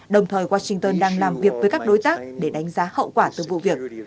đồng thời washington đang làm việc với các đối tác để đánh giá hậu quả từ vụ việc